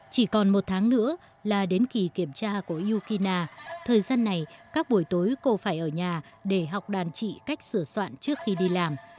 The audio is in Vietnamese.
chỉ còn một tháng nữa là đến kỳ kiểm tra của yukina thời gian này các buổi tối cô phải ở nhà để học đàn trị cách sửa soạn trước khi đi làm